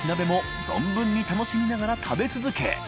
禳埜紊硫估蕕存分に楽しみながら食べ続け